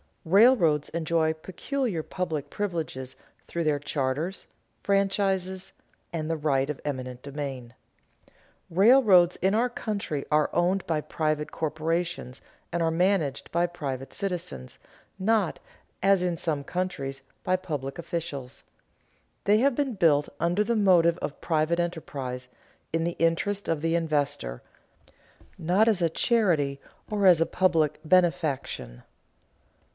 Railroads enjoy peculiar public privileges through their charters, franchises, and the right of eminent domain. Railroads in our country are owned by private corporations and are managed by private citizens, not, as in some countries, by public officials. They have been built under the motive of private enterprise, in the interest of the investor, not as a charity or as a public benefaction.